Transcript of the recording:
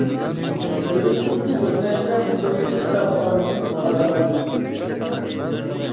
ئۈرۈمچىدىكى بىر نەچچە خۇسۇسىي كىتابخانىنى ئايلاندىم.